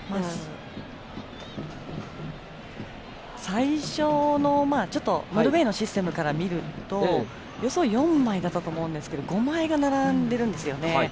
最初の、ちょっとノルウェーのシステムから見ると予想４枚だったと思うんですけど５枚が並んでいるんです。